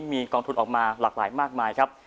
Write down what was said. มีกองทุนออกมาหลากหลายมากมายครับ